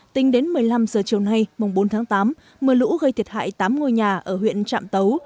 tính đến một mươi năm giờ chiều nay mùng bốn tháng tám mưa lũ gây thiệt hại tám ngôi nhà ở huyện trạm tấu